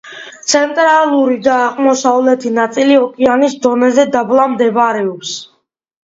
ცენტრალური და აღმოსავლეთი ნაწილი ოკეანის დონეზე დაბლა მდებარეობს.